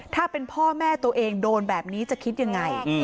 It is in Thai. ถ้าเป็นพ่อแม่ตัวเองโดนแบบนี้จะคิดยังไง